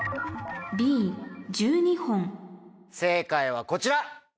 正解はこちら！